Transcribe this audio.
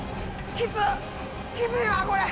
きついわこれ！